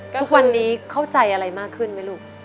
ทุกวันนี้เข้าใจอะไรมากขึ้นไหมลูก